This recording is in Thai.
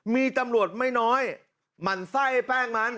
มีตำรวจไม่น้อยหมั่นไส้แป้งมัน